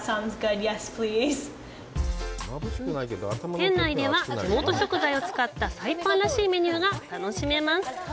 店内では、地元食材を使ったサイパンらしいメニューが楽しめます。